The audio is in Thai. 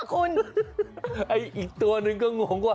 คุณไอ้อีกตัวหนึ่งก็งงกว่า